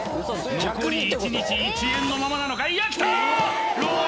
残り１日１円のままなのかいやきたー！